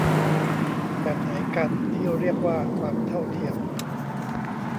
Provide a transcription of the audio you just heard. แบบไหนกัน ที่เรียกว่าความเท่าเทียม